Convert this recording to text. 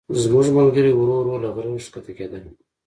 زموږ ملګري ورو ورو له غره ښکته کېدل.